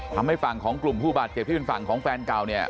ทำให้ฝั่งของกลุ่มผู้บาดเจ็บที่เป็นฝั่งของแฟนเก่าเนี่ย